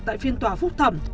tại phiên tòa phúc thẩm